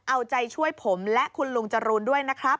เอาใจช่วยผมและคุณลุงจรูนด้วยนะครับ